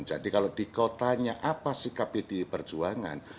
jadi kalau dikau tanya apa sikapnya diperjuangan